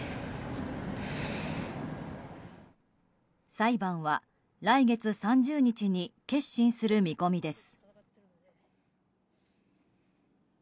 裁判は来月３０日に結審する見込みです。